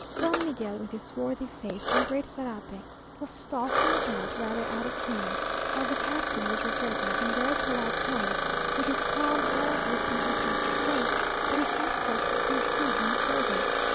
Don Miguel, with his swarthy face, and great sarape, was stalking about, rather out of humour, while the captain was regretting, in very polite tones, with his calm, Arab looking, impassive face, that his escort could proceed no further.